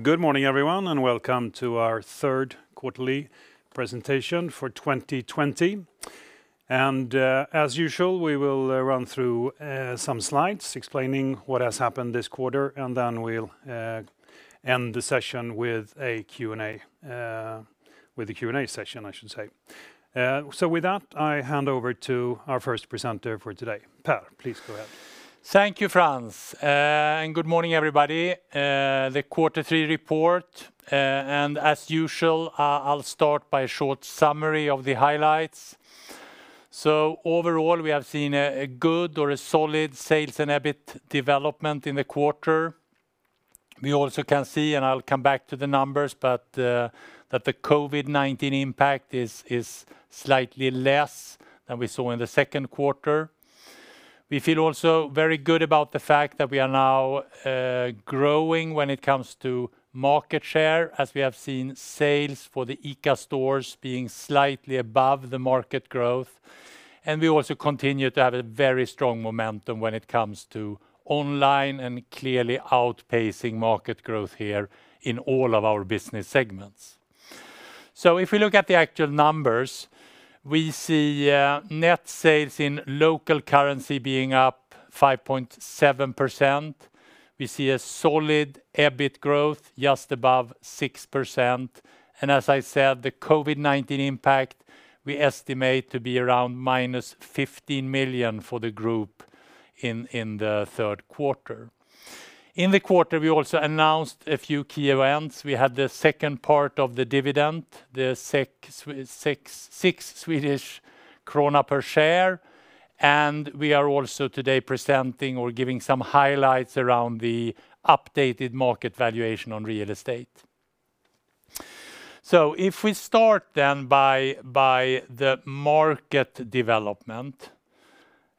Good morning everyone, welcome to our third quarterly presentation for 2020. As usual, we will run through some slides explaining what has happened this quarter, then we'll end the session with a Q&A. With a Q&A session, I should say. With that, I hand over to our first presenter for today. Per, please go ahead. Thank you, Frans, and good morning, everybody. The quarter three report, and as usual, I'll start by a short summary of the highlights. Overall, we have seen a good or a solid sales and EBIT development in the quarter. We also can see, and I'll come back to the numbers, but that the COVID-19 impact is slightly less than we saw in the second quarter. We feel also very good about the fact that we are now growing when it comes to market share, as we have seen sales for the ICA stores being slightly above the market growth. We also continue to have a very strong momentum when it comes to online and clearly outpacing market growth here in all of our business segments. If we look at the actual numbers, we see net sales in local currency being up 5.7%. We see a solid EBIT growth just above 6%. As I said, the COVID-19 impact we estimate to be around -15 million for the group in the third quarter. In the quarter, we also announced a few key events. We had the second part of the dividend, the 6 Swedish krona per share, and we are also today presenting or giving some highlights around the updated market valuation on real estate. If we start then by the market development,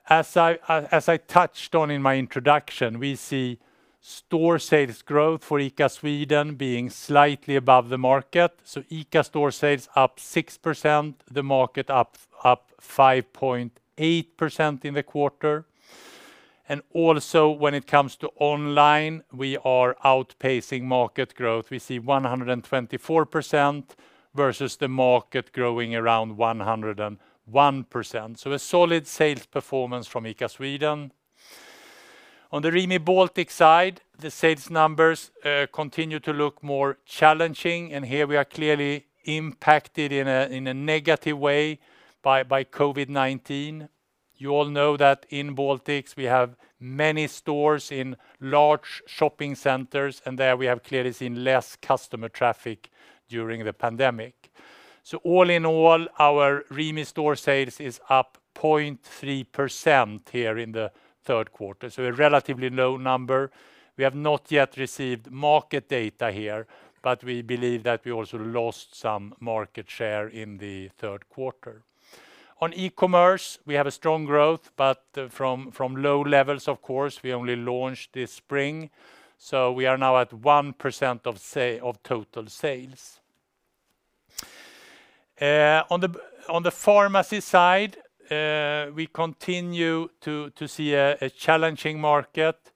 as I touched on in my introduction, we see store sales growth for ICA Sweden being slightly above the market. ICA store sales up 6%, the market up 5.8% in the quarter. Also when it comes to online, we are outpacing market growth. We see 124% versus the market growing around 101%. A solid sales performance from ICA Sweden. On the Rimi Baltic side, the sales numbers continue to look more challenging. Here we are clearly impacted in a negative way by COVID-19. You all know that in Baltics, we have many stores in large shopping centers. There we have clearly seen less customer traffic during the pandemic. All in all, our Rimi store sales is up 0.3% here in the third quarter. A relatively low number. We have not yet received market data here. We believe that we also lost some market share in the third quarter. On e-commerce, we have a strong growth. From low levels of course, we only launched this spring. We are now at 1% of total sales. On the pharmacy side, we continue to see a challenging market.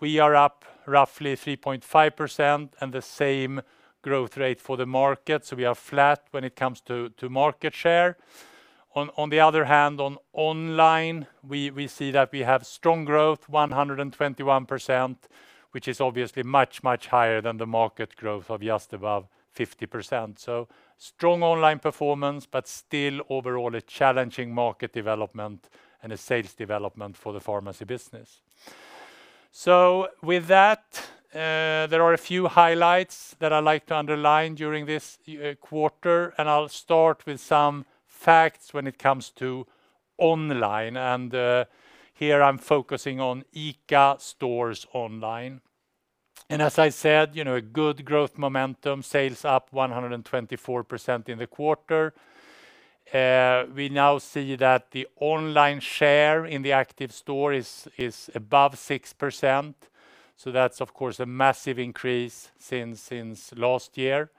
We are up roughly 3.5% and the same growth rate for the market, we are flat when it comes to market share. On the other hand, on online, we see that we have strong growth, 121%, which is obviously much, much higher than the market growth of just above 50%. Strong online performance, but still overall a challenging market development and a sales development for the pharmacy business. With that, there are a few highlights that I like to underline during this quarter, and I'll start with some facts when it comes to online. Here I'm focusing on ICA stores online. As I said, a good growth momentum, sales up 124% in the quarter. We now see that the online share in the active store is above 6%. That's of course a massive increase since last year.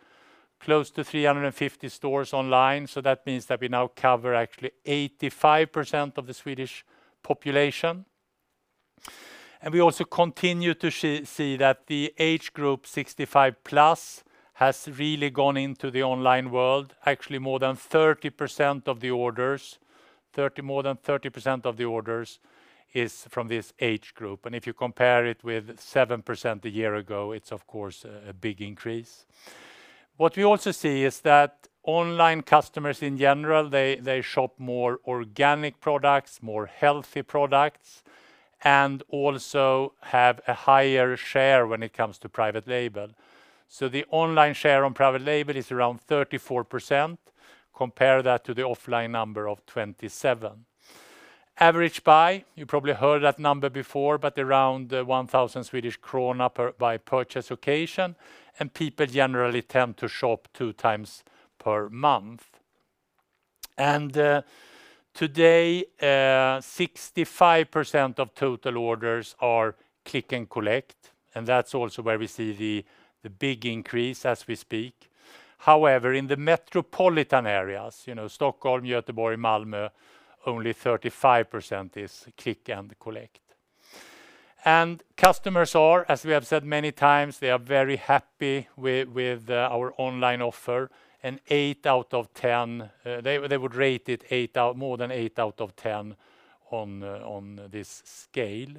Close to 350 stores online, so that means that we now cover actually 85% of the Swedish population. We also continue to see that the age group 65+ has really gone into the online world. Actually, more than 30% of the orders is from this age group. If you compare it with 7% a year ago, it's of course a big increase. What we also see is that online customers in general, they shop more organic products, more healthy products, and also have a higher share when it comes to private label. The online share on private label is around 34%. Compare that to the offline number of 27. Average buy, you probably heard that number before, but around 1,000 Swedish krona by purchase occasion. People generally tend to shop two times per month. Today, 65% of total orders are click and collect. That's also where we see the big increase as we speak. However, in the metropolitan areas, Stockholm, Gothenburg, Malmö, only 35% is click and collect. Customers are, as we have said many times, they are very happy with our online offer and they would rate it more than eight out of 10 on this scale.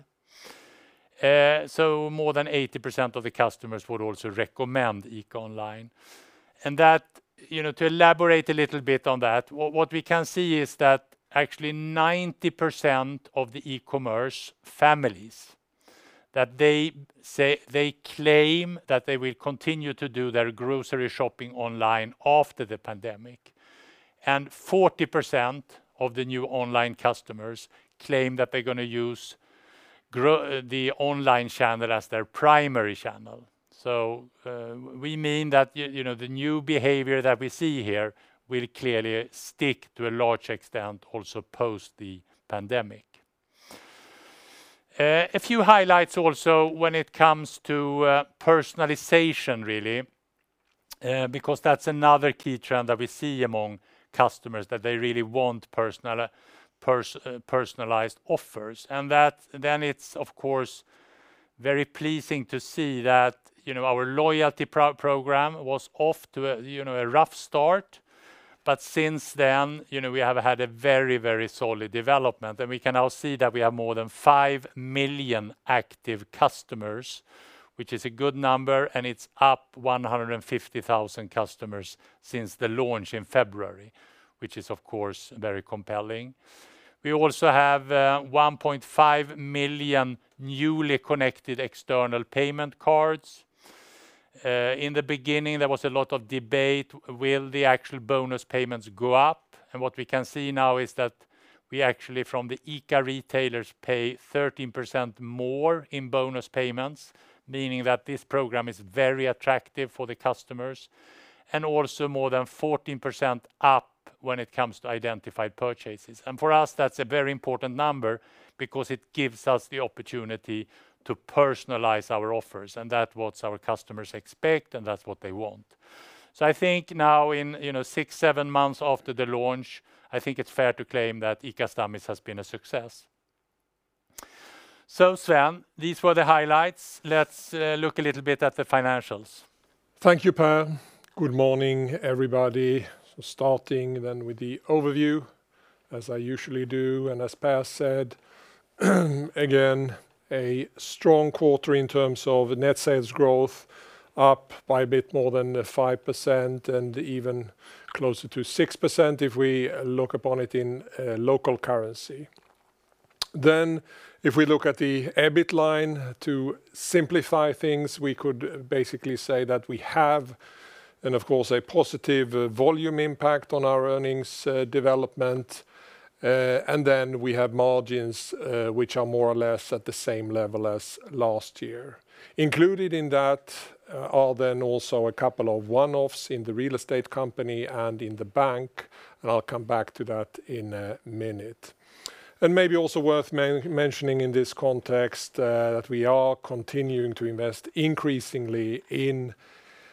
More than 80% of the customers would also recommend ICA online. To elaborate a little bit on that, what we can see is that actually 90% of the e-commerce families, they claim that they will continue to do their grocery shopping online after the pandemic. 40% of the new online customers claim that they're going to use the online channel as their primary channel. We mean that the new behavior that we see here will clearly stick to a large extent also post the pandemic. A few highlights also when it comes to personalization, because that is another key trend that we see among customers, that they really want personalized offers. It is, of course, very pleasing to see that our loyalty program was off to a rough start. Since then, we have had a very solid development. We can now see that we have more than 5 million active customers, which is a good number, and it is up 150,000 customers since the launch in February, which is, of course, very compelling. We also have 1.5 million newly connected external payment cards. In the beginning, there was a lot of debate, will the actual bonus payments go up? What we can see now is that we actually, from the ICA retailers, pay 13% more in bonus payments, meaning that this program is very attractive for the customers and also more than 14% up when it comes to identified purchases. For us, that's a very important number because it gives us the opportunity to personalize our offers and that's what our customers expect and that's what they want. I think now in six, seven months after the launch, I think it's fair to claim that ICA Stammis has been a success. Sven, these were the highlights. Let's look a little bit at the financials. Thank you, Per. Good morning, everybody. Starting with the overview, as I usually do, and as Per said, again, a strong quarter in terms of net sales growth up by a bit more than 5% and even closer to 6% if we look upon it in local currency. If we look at the EBIT line to simplify things, we could basically say that we have, and of course, a positive volume impact on our earnings development. We have margins, which are more or less at the same level as last year. Included in that are then also a couple of one-offs in the real estate company and in the bank. I'll come back to that in a minute. Maybe also worth mentioning in this context, that we are continuing to invest increasingly in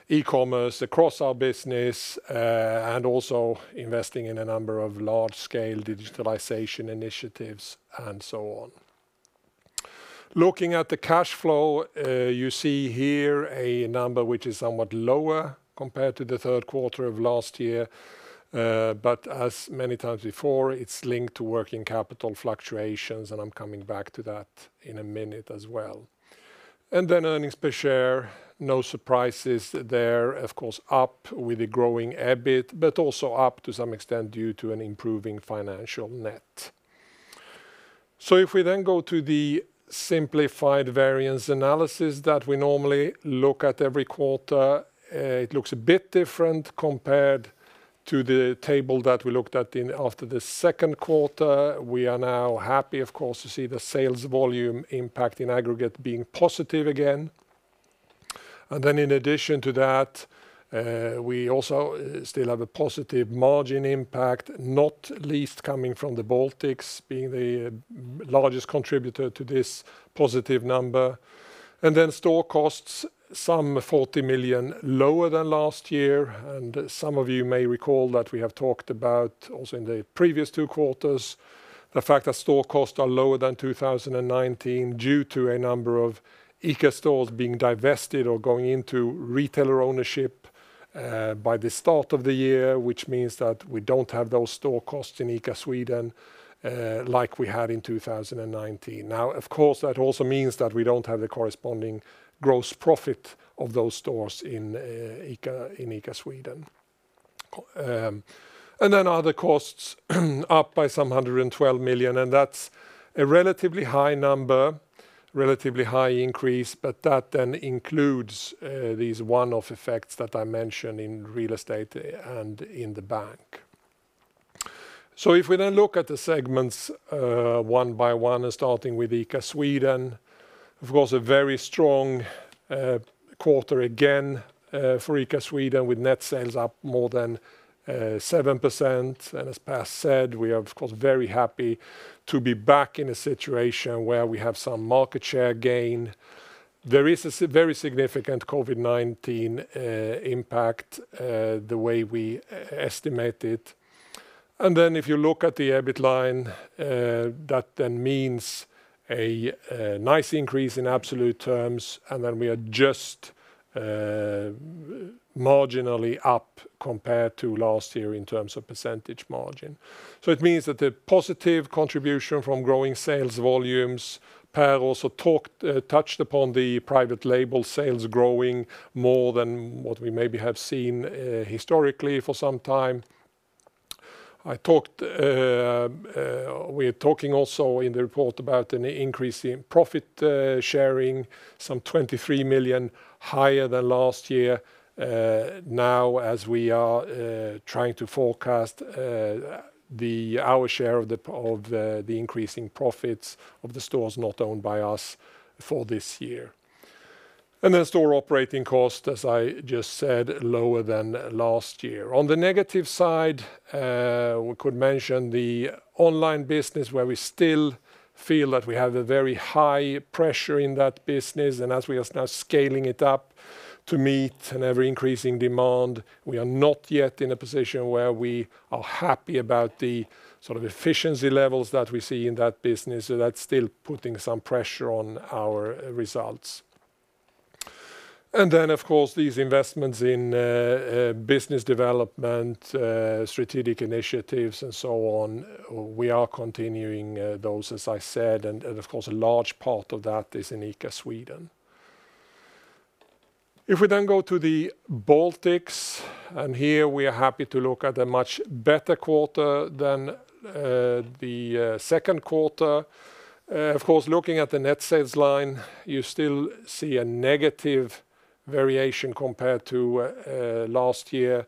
e-commerce across our business, and also investing in a number of large-scale digitalization initiatives and so on. Looking at the cash flow, you see here a number which is somewhat lower compared to the third quarter of last year. As many times before, it's linked to working capital fluctuations, and I'm coming back to that in a minute as well. Then earnings per share, no surprises there. Of course, up with a growing EBIT, but also up to some extent due to an improving financial net. If we then go to the simplified variance analysis that we normally look at every quarter, it looks a bit different compared to the table that we looked at after the second quarter. We are now happy, of course, to see the sales volume impact in aggregate being positive again. In addition to that, we also still have a positive margin impact, not least coming from the Baltics being the largest contributor to this positive number. Store costs some 40 million lower than last year. Some of you may recall that we have talked about, also in the previous two quarters, the fact that store costs are lower than 2019 due to a number of ICA stores being divested or going into retailer ownership by the start of the year. Which means that we don't have those store costs in ICA Sweden like we had in 2019. Now, of course, that also means that we don't have the corresponding gross profit of those stores in ICA Sweden. Other costs up by some 112 million, that's a relatively high number, relatively high increase. That includes these one-off effects that I mentioned in real estate and in the bank. If we look at the segments one by one, starting with ICA Sweden. Of course, a very strong quarter again for ICA Sweden with net sales up more than 7%. As Per said, we are of course very happy to be back in a situation where we have some market share gain. There is a very significant COVID-19 impact, the way we estimate it. If you look at the EBIT line, that means a nice increase in absolute terms, we are just marginally up compared to last year in terms of percentage margin. It means that the positive contribution from growing sales volumes, Per also touched upon the private label sales growing more than what we maybe have seen historically for some time. We're talking also in the report about an increase in profit sharing, some 23 million higher than last year. As we are trying to forecast our share of the increasing profits of the stores not owned by us for this year. Store operating cost, as I just said, lower than last year. On the negative side, we could mention the online business where we still feel that we have a very high pressure in that business. As we are now scaling it up to meet an ever-increasing demand, we are not yet in a position where we are happy about the efficiency levels that we see in that business. That's still putting some pressure on our results. Then, of course, these investments in business development, strategic initiatives, and so on, we are continuing those, as I said, and of course, a large part of that is in ICA Sweden. If we then go to the Baltics, and here we are happy to look at a much better quarter than the second quarter. Of course, looking at the net sales line, you still see a negative variation compared to last year.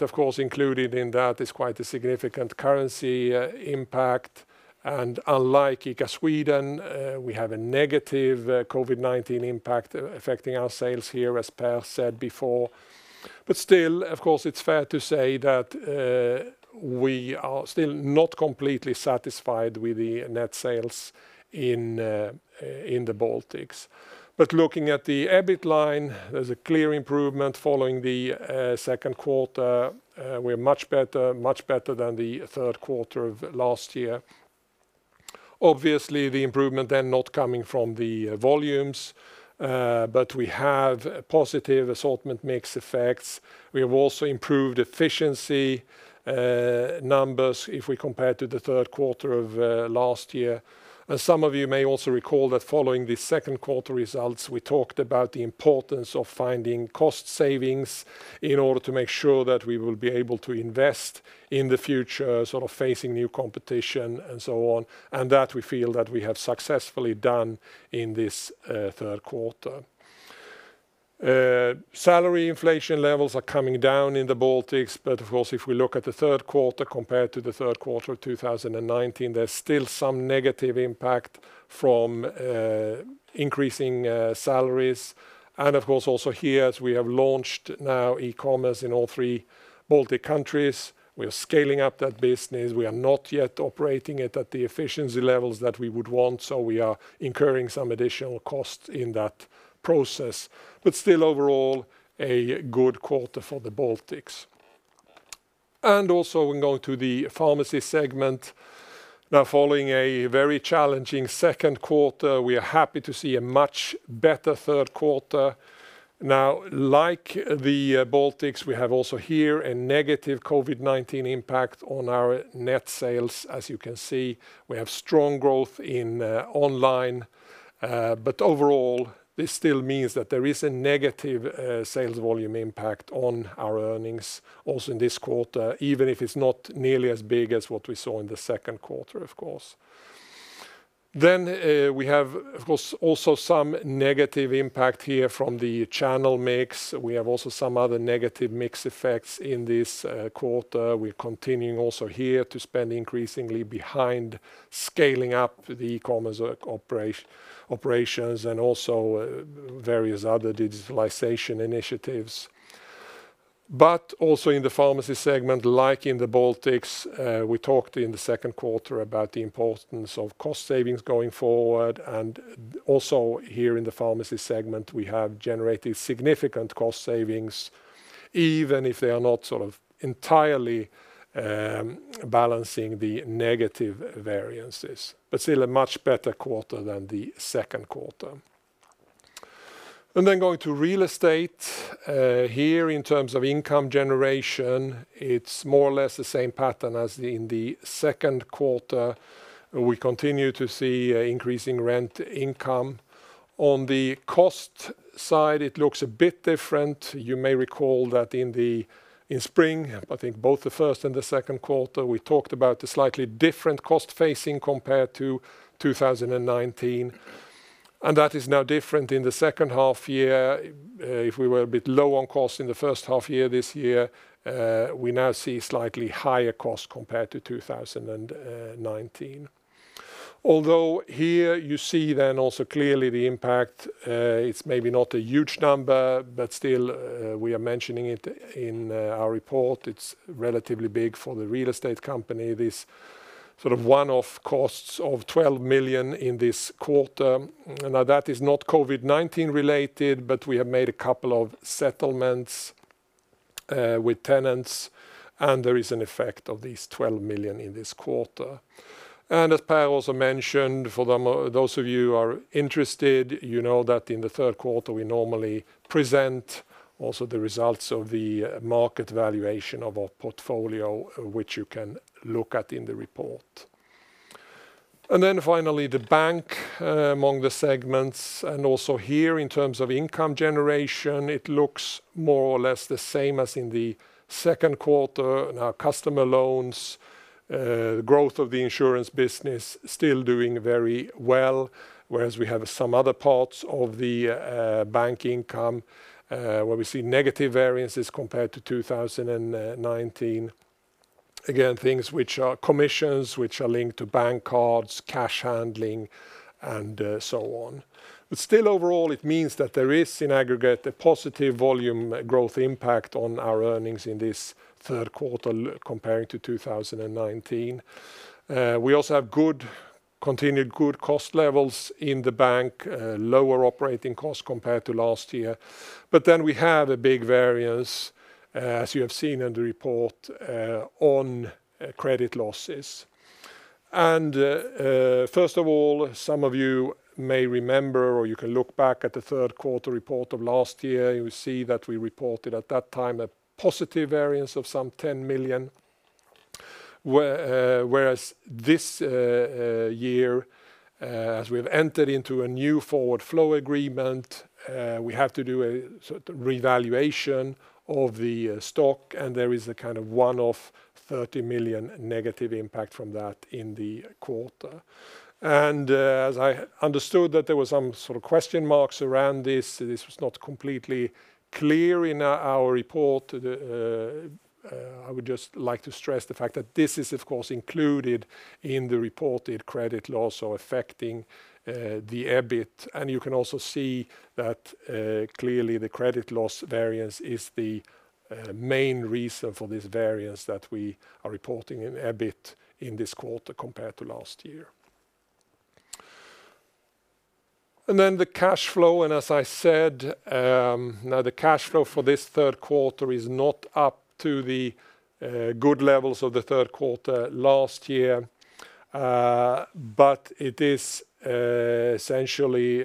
Of course, included in that is quite a significant currency impact, and unlike ICA Sweden, we have a negative COVID-19 impact affecting our sales here, as Per said before. Still, of course, it's fair to say that we are still not completely satisfied with the net sales in the Baltics. Looking at the EBIT line, there's a clear improvement following the second quarter. We're much better than the third quarter of last year. Obviously, the improvement then not coming from the volumes, but we have positive assortment mix effects. We have also improved efficiency numbers if we compare to the third quarter of last year. As some of you may also recall that following the second quarter results, we talked about the importance of finding cost savings in order to make sure that we will be able to invest in the future, facing new competition and so on, and that we feel that we have successfully done in this third quarter. Salary inflation levels are coming down in the Baltics, but of course, if we look at the third quarter compared to the third quarter of 2019, there's still some negative impact from increasing salaries. Of course, also here, as we have launched now e-commerce in all three Baltic countries. We are scaling up that business. We are not yet operating it at the efficiency levels that we would want, so we are incurring some additional cost in that process. Still overall, a good quarter for the Baltics. Also when going to the pharmacy segment. Following a very challenging second quarter, we are happy to see a much better third quarter. Like the Baltics, we have also here a negative COVID-19 impact on our net sales. As you can see, we have strong growth in online. Overall, this still means that there is a negative sales volume impact on our earnings, also in this quarter, even if it's not nearly as big as what we saw in the second quarter, of course. We have, of course, also some negative impact here from the channel mix. We have also some other negative mix effects in this quarter. We're continuing also here to spend increasingly behind scaling up the e-commerce operations and also various other digitalization initiatives. Also in the pharmacy segment, like in the Baltics, we talked in the second quarter about the importance of cost savings going forward, and also here in the pharmacy segment, we have generated significant cost savings, even if they are not entirely balancing the negative variances. Still a much better quarter than the second quarter. Going to real estate. Here in terms of income generation, it's more or less the same pattern as in the second quarter. We continue to see increasing rent income. On the cost side, it looks a bit different. You may recall that in spring, I think both the first and the second quarter, we talked about a slightly different cost phasing compared to 2019. That is now different in the second half year. If we were a bit low on cost in the first half year this year, we now see slightly higher cost compared to 2019. Here you see then also clearly the impact. It's maybe not a huge number, but still, we are mentioning it in our report. It's relatively big for the real estate company. One-off costs of 12 million in this quarter. That is not COVID-19 related, but we have made a couple of settlements with tenants, and there is an effect of these 12 million in this quarter. As Per also mentioned, for those of you who are interested, you know that in the third quarter we normally present also the results of the market valuation of our portfolio, which you can look at in the report. Finally, the bank among the segments, and also here in terms of income generation, it looks more or less the same as in the second quarter. Customer loans, growth of the insurance business, still doing very well, whereas we have some other parts of the bank income where we see negative variances compared to 2019. Things which are commissions, which are linked to bank cards, cash handling, and so on. Overall it means that there is in aggregate a positive volume growth impact on our earnings in this third quarter comparing to 2019. We also have continued good cost levels in the bank, lower operating costs compared to last year. We had a big variance, as you have seen in the report, on credit losses. First of all, some of you may remember, or you can look back at the third quarter report of last year, you will see that we reported at that time a positive variance of some 10 million. This year, as we've entered into a new forward flow agreement, we have to do a revaluation of the stock, and there is a kind of one-off 30 million negative impact from that in the quarter. As I understood that there was some sort of question marks around this was not completely clear in our report. I would just like to stress the fact that this is, of course, included in the reported credit loss affecting the EBIT. You can also see that clearly the credit loss variance is the main reason for this variance that we are reporting in EBIT in this quarter compared to last year. Then the cash flow, as I said, now the cash flow for this third quarter is not up to the good levels of the third quarter last year. It is essentially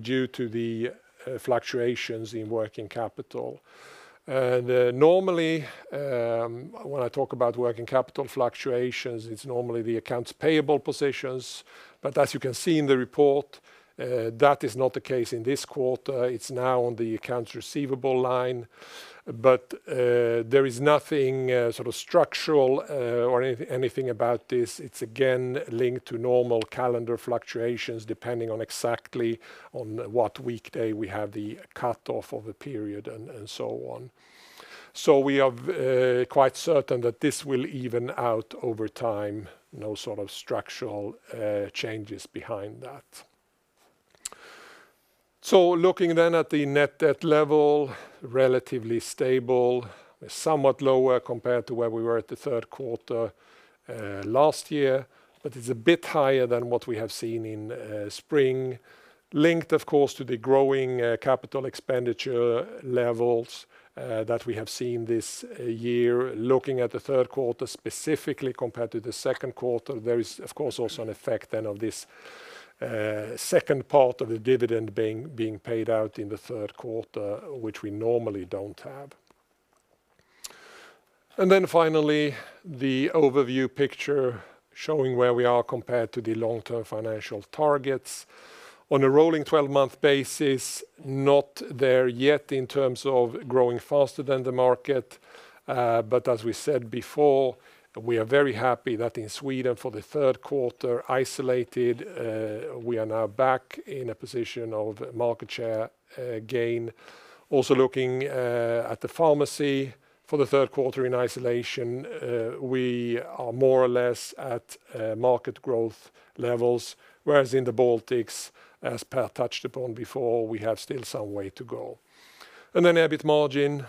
due to the fluctuations in working capital. Normally, when I talk about working capital fluctuations, it is normally the accounts payable positions, but as you can see in the report, that is not the case in this quarter. It is now on the accounts receivable line. There is nothing structural or anything about this. It's again linked to normal calendar fluctuations depending on exactly on what weekday we have the cut-off of a period and so on. We are quite certain that this will even out over time, no structural changes behind that. Looking then at the net debt level, relatively stable, somewhat lower compared to where we were at the third quarter last year, but it's a bit higher than what we have seen in spring. Linked, of course, to the growing capital expenditure levels that we have seen this year. Looking at the third quarter specifically compared to the second quarter, there is, of course, also an effect then of this second part of the dividend being paid out in the third quarter, which we normally don't have. Finally, the overview picture showing where we are compared to the long-term financial targets. On a rolling 12-month basis, not there yet in terms of growing faster than the market. As we said before, we are very happy that in Sweden for the third quarter isolated, we are now back in a position of market share gain. Also looking at the pharmacy for the third quarter in isolation, we are more or less at market growth levels, whereas in the Baltics, as Per touched upon before, we have still some way to go. EBIT margin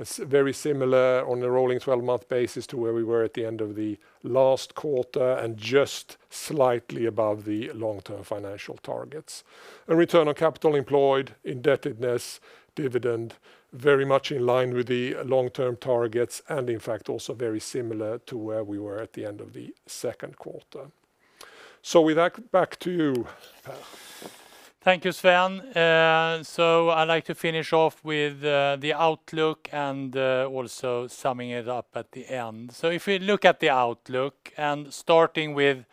is very similar on a rolling 12-month basis to where we were at the end of the last quarter and just slightly above the long-term financial targets. Return on capital employed, indebtedness, dividend, very much in line with the long-term targets and in fact also very similar to where we were at the end of the second quarter. With that, back to you, Per. Thank you, Sven. I'd like to finish off with the outlook and also summing it up at the end. If we look at the outlook and starting with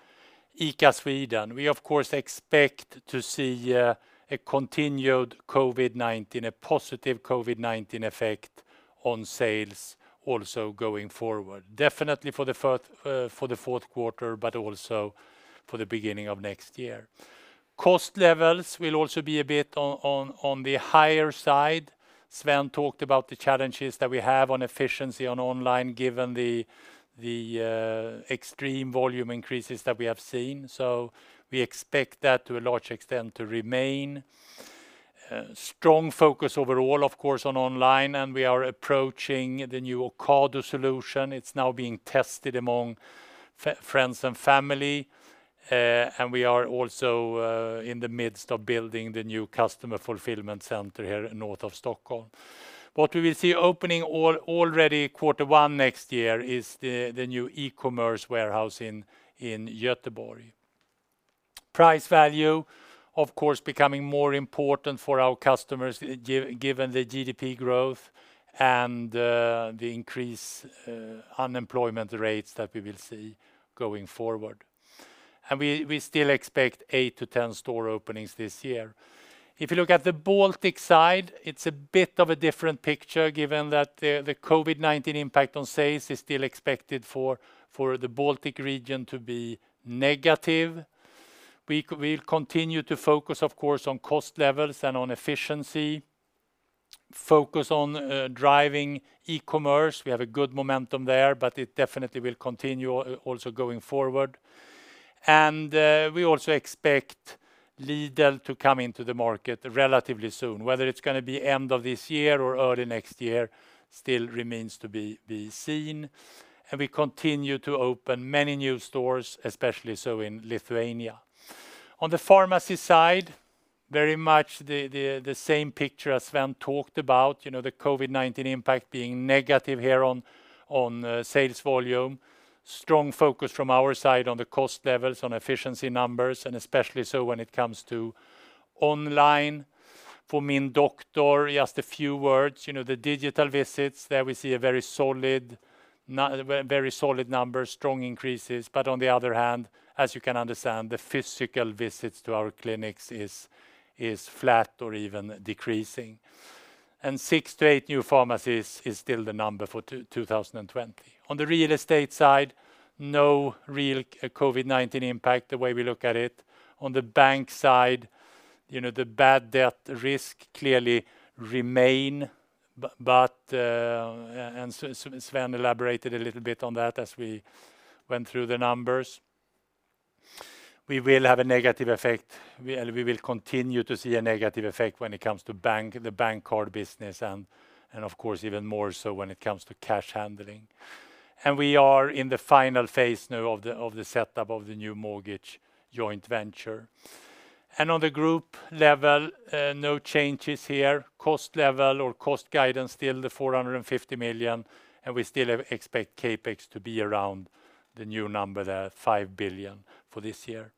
ICA Sweden, we of course expect to see a continued COVID-19, a positive COVID-19 effect on sales also going forward. Definitely for the fourth quarter, but also for the beginning of next year. Cost levels will also be a bit on the higher side. Sven talked about the challenges that we have on efficiency on online given the extreme volume increases that we have seen. We expect that to a large extent to remain. Strong focus overall, of course, on online, and we are approaching the new Ocado solution. It's now being tested among friends and family, and we are also in the midst of building the new customer fulfillment center here north of Stockholm. What we will see opening already Q1 next year is the new e-commerce warehouse in Göteborg. Price value, of course, becoming more important for our customers given the GDP growth and the increased unemployment rates that we will see going forward. We still expect 8-10 store openings this year. If you look at the Baltic side, it's a bit of a different picture given that the COVID-19 impact on sales is still expected for the Baltic region to be negative. We will continue to focus, of course, on cost levels and on efficiency. Focus on driving e-commerce. We have a good momentum there, but it definitely will continue also going forward. We also expect Lidl to come into the market relatively soon. Whether it's going to be end of this year or early next year still remains to be seen, and we continue to open many new stores, especially so in Lithuania. On the pharmacy side, very much the same picture as Sven talked about. The COVID-19 impact being negative here on sales volume. Strong focus from our side on the cost levels, on efficiency numbers, and especially so when it comes to online for Min Doktor. Just a few words. The digital visits, there we see a very solid numbers, strong increases. On the other hand, as you can understand, the physical visits to our clinics is flat or even decreasing. Six to eight new pharmacies is still the number for 2020. On the real estate side, no real COVID-19 impact, the way we look at it. On the bank side, the bad debt risk clearly remain, and Sven elaborated a little bit on that as we went through the numbers. We will continue to see a negative effect when it comes to the bank card business and, of course, even more so when it comes to cash handling. We are in the final phase now of the setup of the new mortgage joint venture. On the group level, no changes here. Cost level or cost guidance, still the 450 million, and we still expect CapEx to be around the new number there, 5 billion for this year.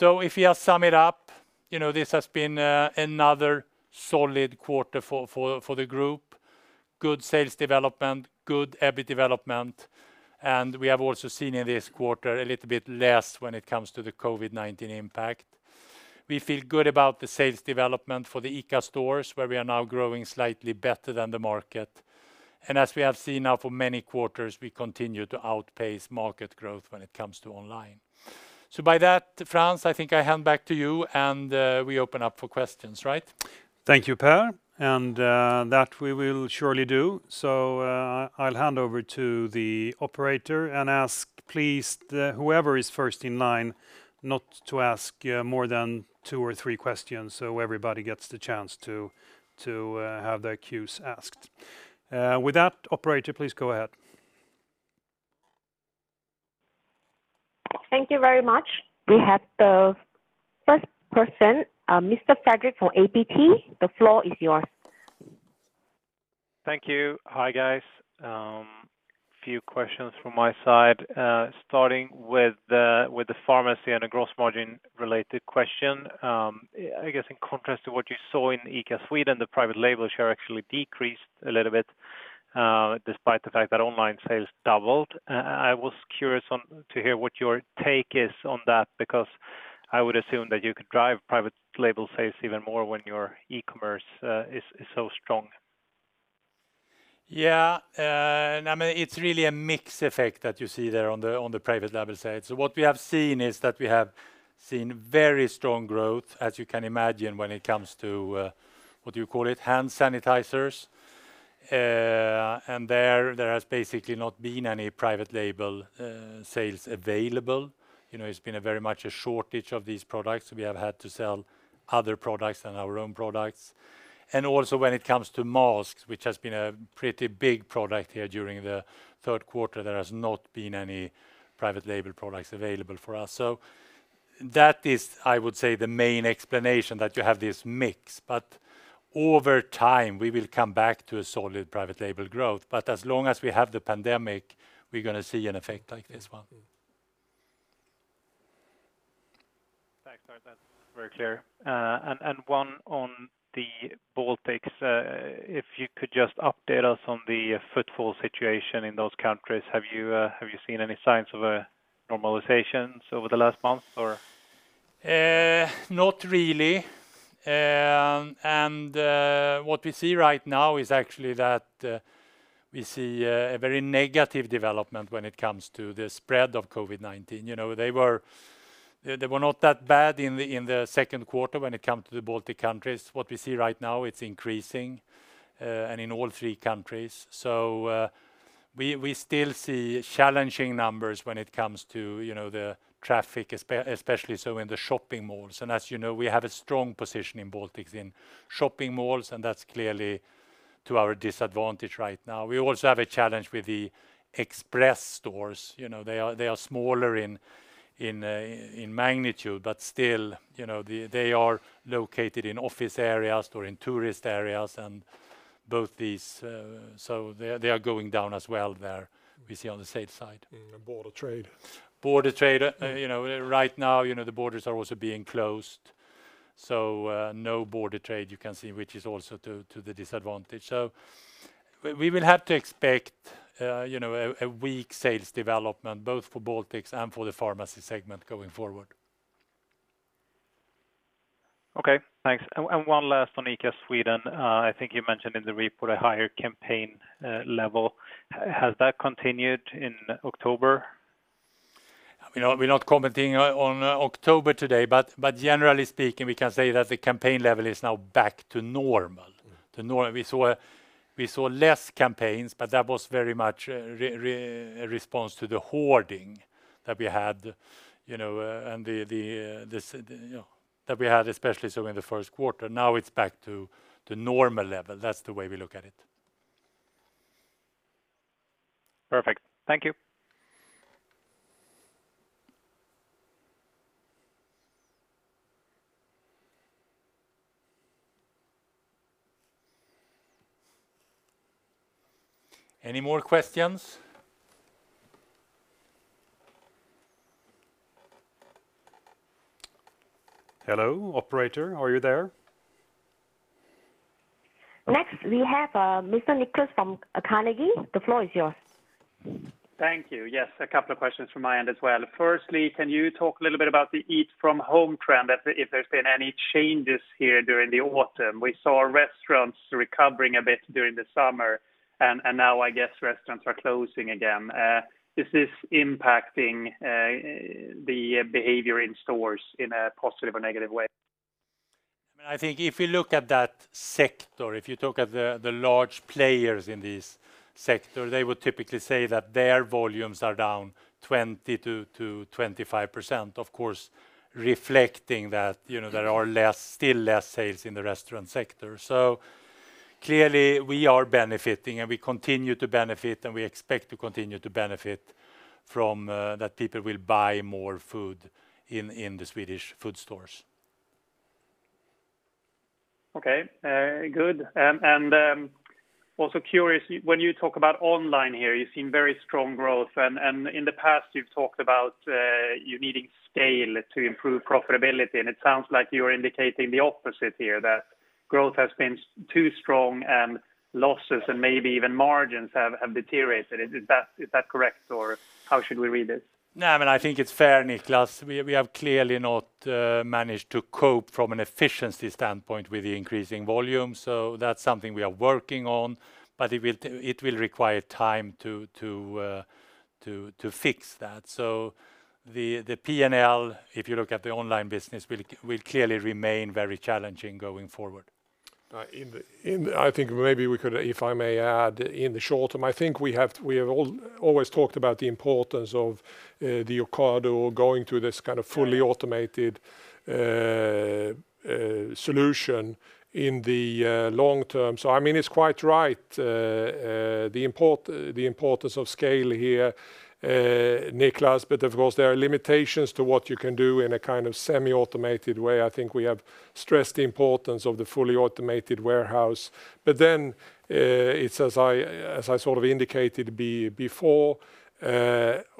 If you sum it up, this has been another solid quarter for the group. Good sales development, good EBIT development, and we have also seen in this quarter a little bit less when it comes to the COVID-19 impact. We feel good about the sales development for the ICA stores, where we are now growing slightly better than the market. As we have seen now for many quarters, we continue to outpace market growth when it comes to online. By that, Frans, I think I hand back to you, and we open up for questions, right? Thank you, Per. That we will surely do. I'll hand over to the operator and ask please, whoever is first in line not to ask more than two or three questions, so everybody gets the chance to have their Qs asked. With that, operator, please go ahead. Thank you very much. We have the first person, Mr. Fredrik from ABG. The floor is yours. Thank you. Hi, guys. Few questions from my side. Starting with the pharmacy and a gross margin related question. I guess in contrast to what you saw in ICA Sweden, the private label share actually decreased a little bit, despite the fact that online sales doubled. I was curious to hear what your take is on that, because I would assume that you could drive private label sales even more when your e-commerce is so strong. Yeah. It's really a mix effect that you see there on the private label side. What we have seen is that we have seen very strong growth, as you can imagine, when it comes to, what do you call it, hand sanitizers. There, there has basically not been any private label sales available. It's been very much a shortage of these products. We have had to sell other products and our own products. Also when it comes to masks, which has been a pretty big product here during the third quarter, there has not been any private label products available for us. That is, I would say, the main explanation that you have this mix. Over time we will come back to a solid private label growth. As long as we have the pandemic, we're going to see an effect like this one. Thanks for that. Very clear. One on the Baltics. If you could just update us on the footfall situation in those countries. Have you seen any signs of a normalization over the last month, or? Not really. What we see right now is actually that we see a very negative development when it comes to the spread of COVID-19. They were not that bad in the second quarter when it comes to the Baltic countries. What we see right now, it's increasing, and in all three countries. We still see challenging numbers when it comes to the traffic, especially in the shopping malls. As you know, we have a strong position in Baltics in shopping malls, and that's clearly to our disadvantage right now. We also have a challenge with the express stores. They are smaller in magnitude, but still they are located in office areas or in tourist areas, so they are going down as well there, we see on the sales side. Border trade. Border trade. Right now, the borders are also being closed. No border trade you can see, which is also to the disadvantage. We will have to expect a weak sales development, both for Baltics and for the pharmacy segment going forward. Okay, thanks. One last on ICA Sweden. I think you mentioned in the report a higher campaign level. Has that continued in October? We're not commenting on October today, but generally speaking, we can say that the campaign level is now back to normal. We saw less campaigns, but that was very much a response to the hoarding that we had, especially in the first quarter. Now it's back to normal level. That's the way we look at it. Perfect. Thank you. Any more questions? Hello, operator, are you there? Next we have Mr. Niklas from Carnegie. The floor is yours. Thank you. Yes, a couple of questions from my end as well. Firstly, can you talk a little bit about the eat from home trend, if there's been any changes here during the autumn? We saw restaurants recovering a bit during the summer, now I guess restaurants are closing again. Is this impacting the behavior in stores in a positive or negative way? I think if you look at that sector, if you look at the large players in this sector, they would typically say that their volumes are down 20%-25%. Of course, reflecting that there are still less sales in the restaurant sector. Clearly we are benefiting and we continue to benefit, and we expect to continue to benefit from that people will buy more food in the Swedish food stores. Okay, good. Also curious, when you talk about online here, you've seen very strong growth and in the past you've talked about you needing scale to improve profitability, and it sounds like you're indicating the opposite here, that growth has been too strong and losses and maybe even margins have deteriorated. Is that correct or how should we read it? I think it's fair, Niklas. We have clearly not managed to cope from an efficiency standpoint with the increasing volume. That's something we are working on, but it will require time to fix that. The P&L, if you look at the online business, will clearly remain very challenging going forward. If I may add, in the short term, I think we have always talked about the importance of the Ocado going through this kind of fully automated solution in the long term. It's quite right, the importance of scale here, Niklas, but of course there are limitations to what you can do in a kind of semi-automated way. I think we have stressed the importance of the fully automated warehouse. It's as I indicated before,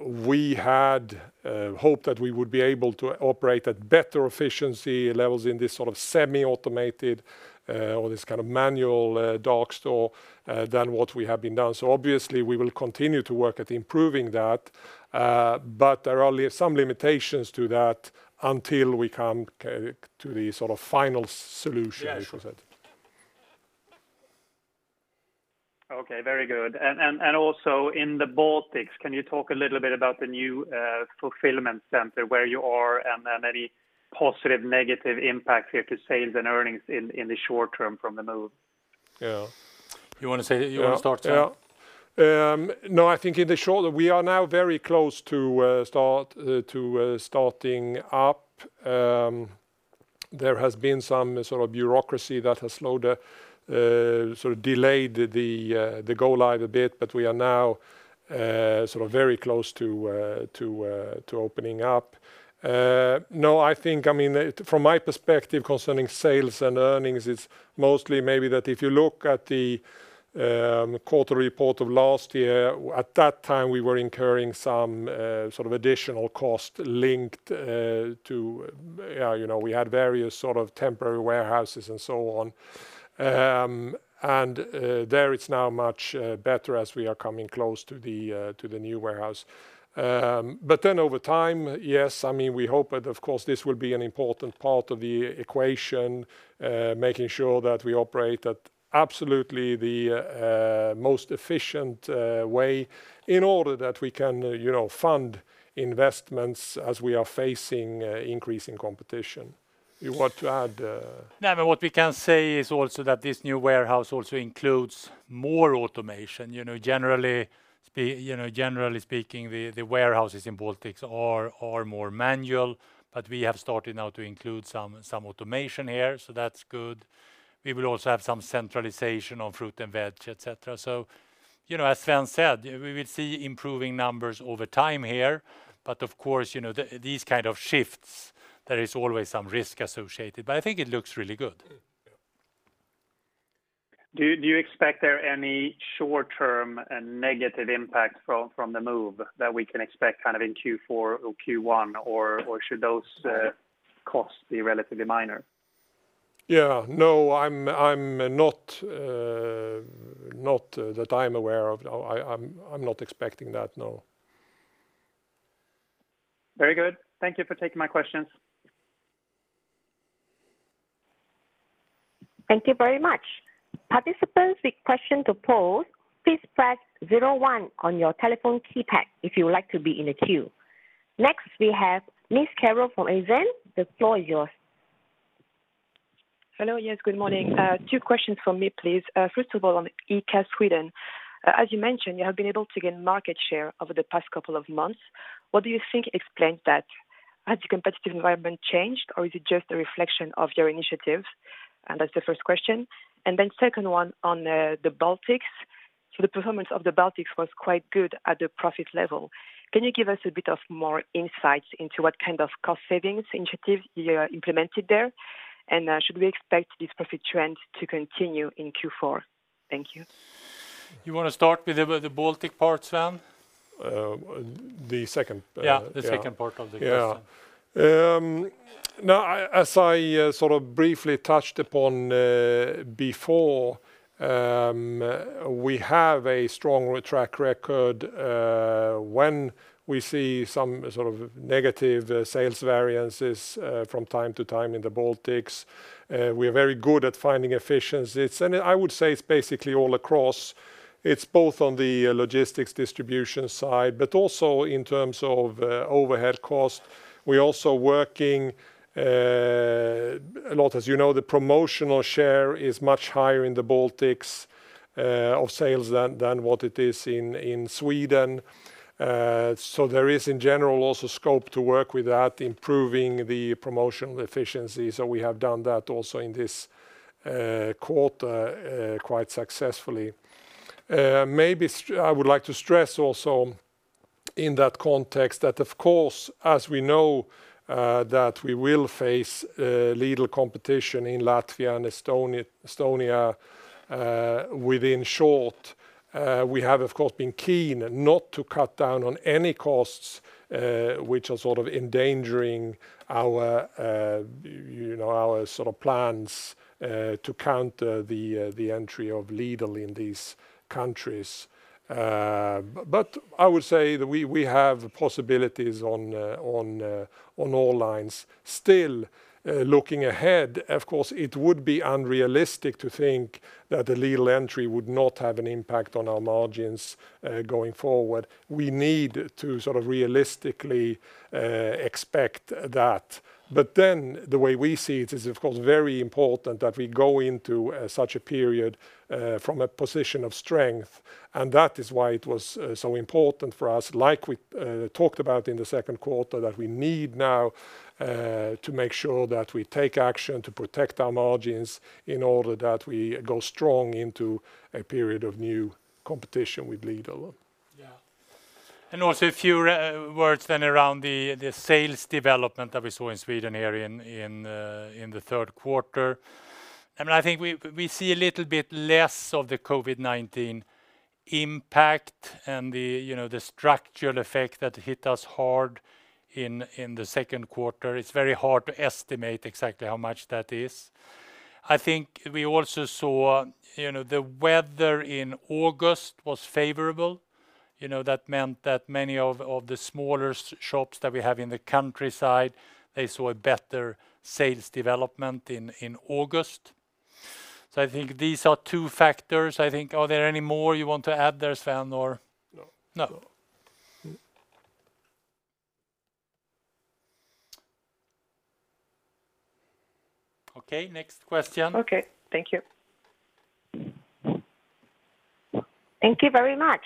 we had hoped that we would be able to operate at better efficiency levels in this semi-automated, or this kind of manual dark store, than what we have done. Obviously we will continue to work at improving that. There are some limitations to that until we come to the final solution. Okay. Very good. Also in the Baltics, can you talk a little bit about the new fulfillment center, where you are and then any positive, negative impact here to sales and earnings in the short term from the move? You want to start? No, I think in the short term, we are now very close to starting up. There has been some sort of bureaucracy that has delayed the go live a bit, but we are now very close to opening up. From my perspective concerning sales and earnings, it's mostly maybe that if you look at the quarter report of last year, at that time we were incurring some sort of additional cost linked to, we had various sort of temporary warehouses and so on. There it's now much better as we are coming close to the new warehouse. Over time, yes, we hope that of course this will be an important part of the equation, making sure that we operate at absolutely the most efficient way in order that we can fund investments as we are facing increasing competition. You want to add? What we can say is also that this new warehouse also includes more automation. Generally speaking, the warehouses in Baltics are more manual. We have started now to include some automation here, so that's good. We will also have some centralization on fruit and veg, et cetera. As Sven said, we will see improving numbers over time here. Of course, these kind of shifts, there is always some risk associated, but I think it looks really good. Yeah. Do you expect there are any short-term and negative impact from the move that we can expect in Q4 or Q1, or should those costs be relatively minor? Yeah. No, not that I'm aware of. I'm not expecting that, no. Very good. Thank you for taking my questions. Thank you very much. Participants with question to pose, please press zero one on your telephone keypad if you would like to be in the queue. Next we have Ms. Carole from Exane. The floor is yours. Hello. Yes, good morning. Two questions from me, please. First of all, on ICA Sweden. As you mentioned, you have been able to gain market share over the past couple of months. What do you think explains that? Has the competitive environment changed, or is it just a reflection of your initiatives? That's the first question. Second one on the Baltics. The performance of the Baltics was quite good at the profit level. Can you give us a bit of more insights into what kind of cost savings initiatives you implemented there? Should we expect this profit trend to continue in Q4? Thank you. You want to start with the Baltic part, Sven? The second? Yeah. Yeah. The second part of the question. As I sort of briefly touched upon before, we have a strong track record when we see some sort of negative sales variances from time to time in the Baltics. We are very good at finding efficiencies. I would say it's basically all across. It's both on the logistics distribution side, but also in terms of overhead cost. We're also working a lot. As you know, the promotional share is much higher in the Baltics of sales than what it is in Sweden. There is, in general, also scope to work with that, improving the promotional efficiency. We have done that also in this quarter quite successfully. Maybe I would like to stress also in that context that, of course, as we know that we will face Lidl competition in Latvia and Estonia within short, we have, of course, been keen not to cut down on any costs, which are sort of endangering our plans to counter the entry of Lidl in these countries. I would say that we have possibilities on all lines. Still, looking ahead, of course, it would be unrealistic to think that the Lidl entry would not have an impact on our margins going forward. We need to sort of realistically expect that. The way we see it is, of course, very important that we go into such a period from a position of strength. That is why it was so important for us, like we talked about in the second quarter, that we need now to make sure that we take action to protect our margins in order that we go strong into a period of new competition with Lidl. Yeah. Also a few words then around the sales development that we saw in Sweden here in the third quarter. I think we see a little bit less of the COVID-19 impact and the structural effect that hit us hard in the second quarter. It's very hard to estimate exactly how much that is. I think we also saw the weather in August was favorable. That meant that many of the smaller shops that we have in the countryside, they saw a better sales development in August. I think these are two factors, I think. Are there any more you want to add there, Sven, or? No. No. Okay, next question. Okay. Thank you. Thank you very much.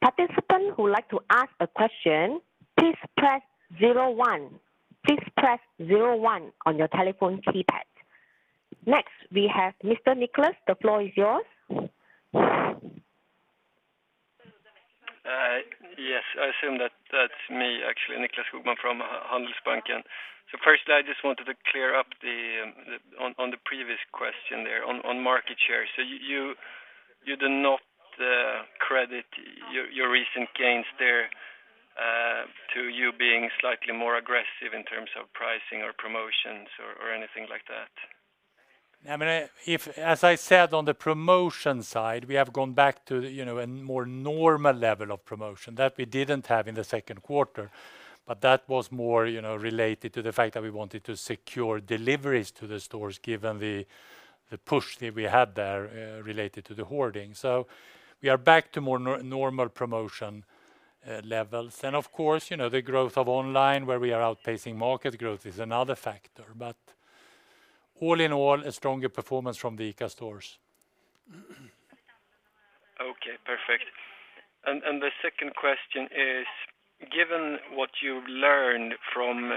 Participants who would like to ask a question, please press zero one. Please press zero one on your telephone keypad. Next, we have Mr. Niklas. The floor is yours. Yes, I assume that that's me, actually. Nicklas Skogman from Handelsbanken. Firstly, I just wanted to clear up on the previous question there on market share. You do not credit your recent gains there to you being slightly more aggressive in terms of pricing or promotions or anything like that? As I said, on the promotion side, we have gone back to a more normal level of promotion that we didn't have in the second quarter, but that was more related to the fact that we wanted to secure deliveries to the stores given the push that we had there related to the hoarding. We are back to more normal promotion levels. Of course, the growth of online where we are outpacing market growth is another factor. All in all, a stronger performance from the ICA stores. Okay, perfect. The second question is, given what you've learned from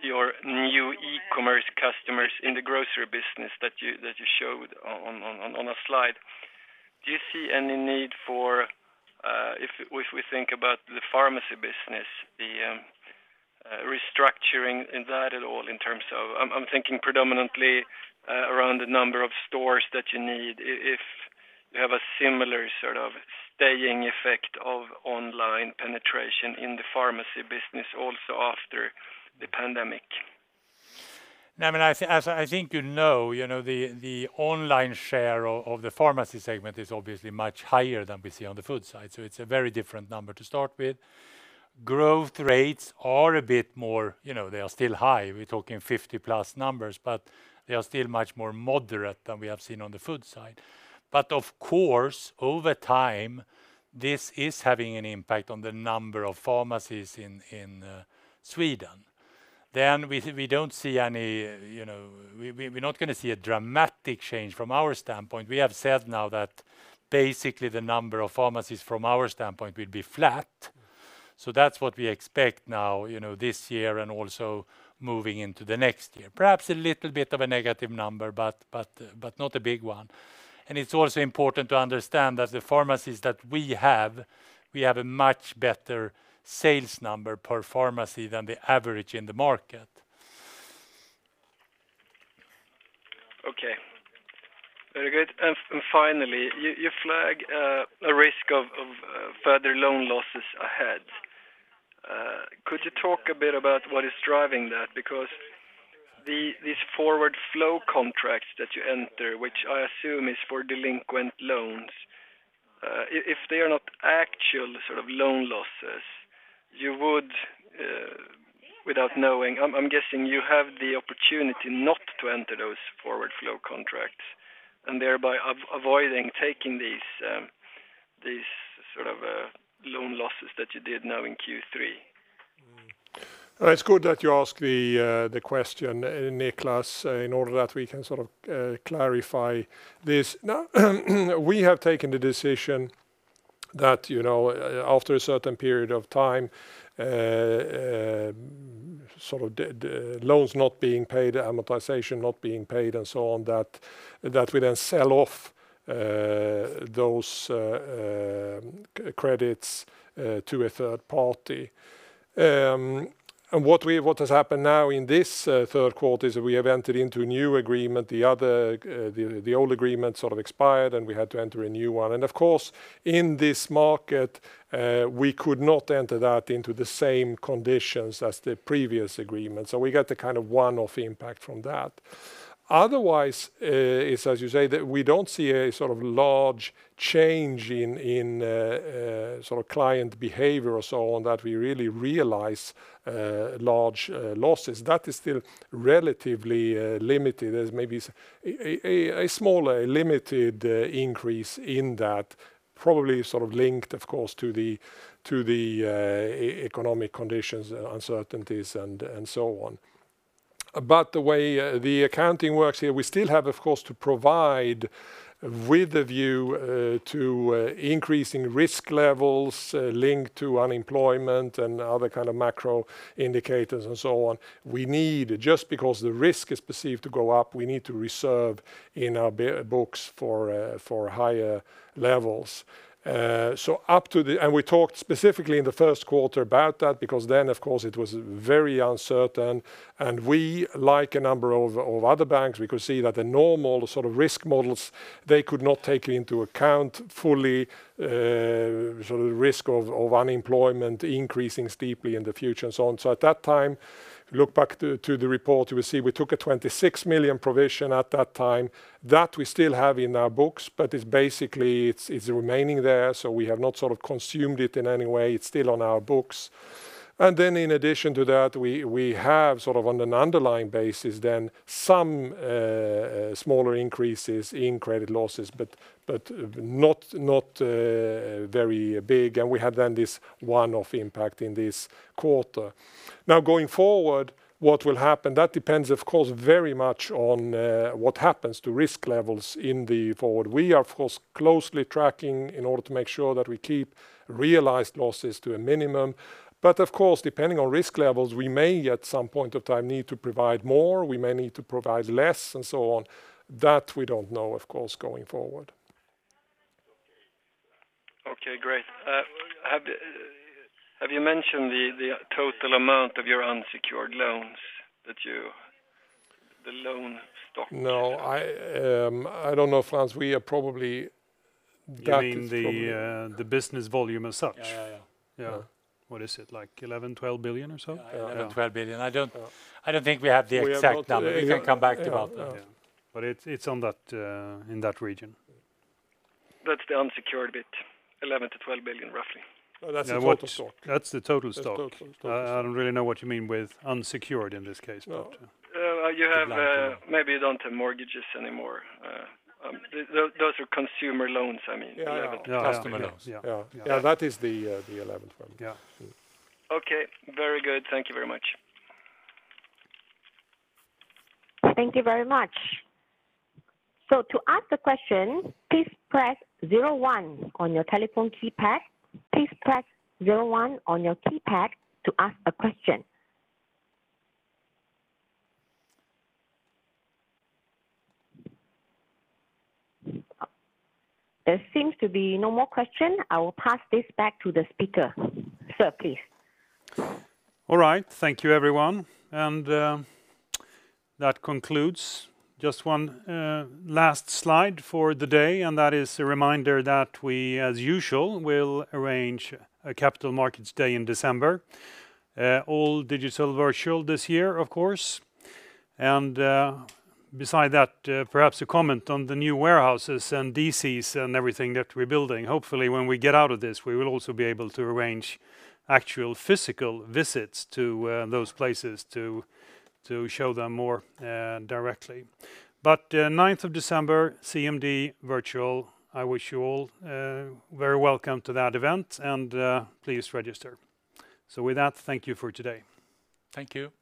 your new e-commerce customers in the grocery business that you showed on a slide, do you see any need for, if we think about the pharmacy business, the restructuring in that at all? I'm thinking predominantly around the number of stores that you need, if you have a similar staying effect of online penetration in the pharmacy business also after the pandemic. I think you know, the online share of the pharmacy segment is obviously much higher than we see on the food side. It's a very different number to start with. Growth rates are, they are still high. We're talking 50+ numbers, but they are still much more moderate than we have seen on the food side. Of course, over time, this is having an impact on the number of pharmacies in Sweden. We're not going to see a dramatic change from our standpoint. We have said now that basically the number of pharmacies from our standpoint will be flat. That's what we expect now, this year and also moving into the next year. Perhaps a little bit of a negative number, but not a big one. It's also important to understand that the pharmacies that we have, we have a much better sales number per pharmacy than the average in the market. Okay. Very good. Finally, you flag a risk of further loan losses ahead. Could you talk a bit about what is driving that? These forward flow contracts that you enter, which I assume is for delinquent loans, if they are not actual loan losses, you would, without knowing, I'm guessing you have the opportunity not to enter those forward flow contracts and thereby avoiding taking these sort of loan losses that you did now in Q3. It's good that you ask the question, Niklas, in order that we can clarify this. We have taken the decision that after a certain period of time, loans not being paid, amortization not being paid, and so on, that we then sell off those credits to a third party. What has happened now in this third quarter is that we have entered into a new agreement. The old agreement expired, and we had to enter a new one. Of course, in this market, we could not enter that into the same conditions as the previous agreement. We got the one-off impact from that. Otherwise, it's as you say, that we don't see a large change in client behavior or so on that we really realize large losses. That is still relatively limited as maybe a small limited increase in that, probably linked, of course, to the economic conditions, uncertainties, and so on. The way the accounting works here, we still have, of course, to provide with the view to increasing risk levels linked to unemployment and other macro indicators and so on. Just because the risk is perceived to go up, we need to reserve in our books for higher levels. We talked specifically in the first quarter about that because then, of course, it was very uncertain, and we, like a number of other banks, we could see that the normal risk models, they could not take into account fully risk of unemployment increasing steeply in the future and so on. At that time, look back to the report, you will see we took a 26 million provision at that time that we still have in our books, but it's basically remaining there. We have not consumed it in any way. It's still on our books. In addition to that, we have on an underlying basis then some smaller increases in credit losses, but not very big, and we have then this one-off impact in this quarter. Going forward, what will happen? That depends, of course, very much on what happens to risk levels in the forward. We are, of course, closely tracking in order to make sure that we keep realized losses to a minimum. Of course, depending on risk levels, we may at some point of time need to provide more, we may need to provide less, and so on. That we don't know, of course, going forward. Okay, great. Have you mentioned the total amount of your unsecured loans, the loan stock? No. I don't know, Frans, we are probably- You mean the business volume as such? Yeah. Yeah. What is it, like 11 billion, 12 billion or so? I don't think we have the exact number. We can come back to that. It's in that region. That's the unsecured bit, 11 billion-12 billion, roughly. That's the total stock. That's the total stock. I don't really know what you mean with unsecured in this case. You have maybe you don't have mortgages anymore. Those are consumer loans, I mean. Yeah. Customer loans. Yeah. Yeah, that is the SEK 11 billion, 12 billion. Okay. Very good. Thank you very much. Thank you very much. To ask the question, please press zero one on your telephone keypad. Please press zero one on your keypad to ask a question. There seems to be no more question. I will pass this back to the speaker. Sir, please. All right. Thank you, everyone. That concludes just one last slide for the day, and that is a reminder that we, as usual, will arrange a Capital Markets Day in December. All digital virtual this year, of course. Beside that, perhaps a comment on the new warehouses and DCs and everything that we're building. Hopefully, when we get out of this, we will also be able to arrange actual physical visits to those places to show them more directly. 9th of December, CMD virtual. I wish you all very welcome to that event, and please register. With that, thank you for today. Thank you.